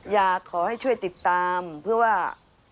อยากให้ช่วยติดตามเพื่อว่า